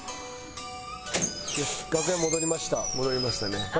よし楽屋戻りました。